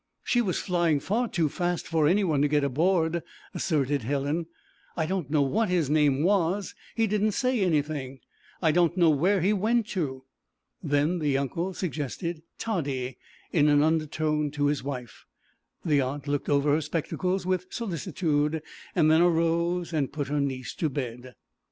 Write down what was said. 'She was flying far too fast for any one to get aboard,' asserted Helen. 'I don't know what his name was; he didn't say anything; I don't know where he went to.' Then the uncle suggested toddy in an undertone to his wife. The aunt looked over her spectacles with solicitude, and then arose and put her niece to bed.